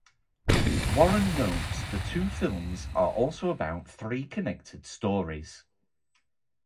Warren notes The two films are also about three connected stories.